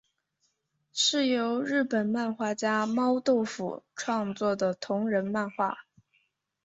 是由日本漫画家猫豆腐创作的同人漫画。